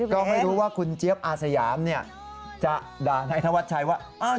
ก็ไม่รู้ว่าคุณเจี๊ยบอาสยามจะด่านายธวัชชัยว่า